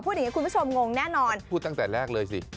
อย่างนี้คุณผู้ชมงงแน่นอนพูดตั้งแต่แรกเลยสิ